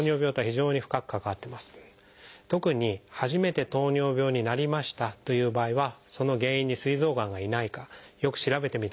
特に初めて糖尿病になりましたという場合はその原因にすい臓がんがいないかよく調べてみたほうがいいと思います。